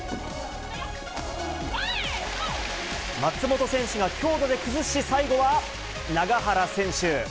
松本選手が強打で崩し、最後は永原選手。